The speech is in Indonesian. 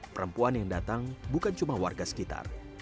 perempuan yang datang bukan cuma warga sekitar